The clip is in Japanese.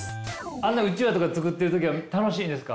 あんなウチワとかつくってる時は楽しいんですか？